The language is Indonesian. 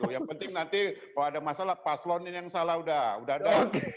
yang penting nanti kalau ada masalah paslon ini yang salah udah ada